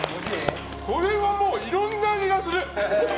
これはもう、いろんな味がする！